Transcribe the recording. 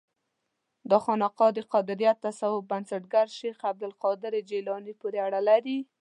دا خانقاه د قادریه تصوف بنسټګر شیخ عبدالقادر جیلاني پورې اړه لري.